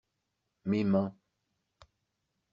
Mes mains.